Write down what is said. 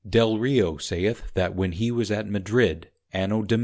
Delrio saith, that when he was at Madrid, _Anno Dom.